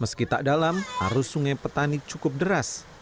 meski tak dalam arus sungai petani cukup deras